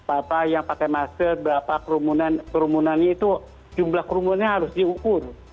berapa yang pakai masker berapa kerumunannya itu jumlah kerumunannya harus diukur